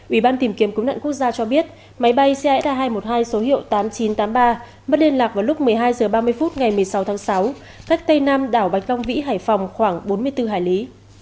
ủy ban tìm kiếm cứu nạn quốc gia cho biết máy bay cd hai trăm một mươi hai số hiệu tám nghìn chín trăm tám mươi ba mất liên lạc vào lúc một mươi hai h ba mươi phút ngày một mươi sáu tháng sáu cách tây nam đảo bạch long vĩ hải phòng khoảng bốn mươi bốn hải lý